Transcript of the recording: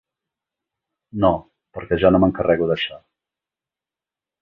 No, perquè jo no m'encarrego d'això.